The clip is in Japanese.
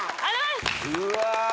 うわ！